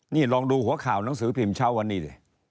นี่ลองดูหัวข่าวหนังสือพิมพ์เช้าวันนี้ดิ